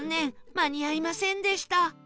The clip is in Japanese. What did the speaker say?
間に合いませんでした